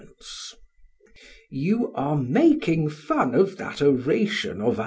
PHAEDRUS: You are making fun of that oration of ours.